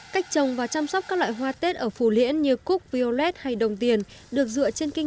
cách trồng và chăm sóc các loại hoa tết ở phù liễn như cúc piollet hay đồng tiền được dựa trên kinh